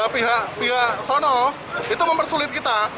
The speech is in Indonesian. pihak pihak sana itu mempersulit kita